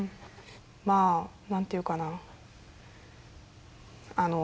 まあ何て言うかな。